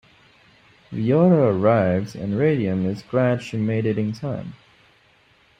Viola arrives and Radium is glad she made it in time.